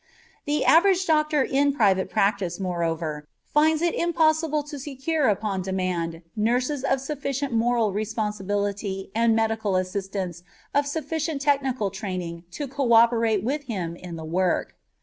The average doctor in private practice, moreover, finds it impossible to secure upon demand nurses of sufficient moral responsibility and medical assistants of sufficient technical training to coöperate with him in the work.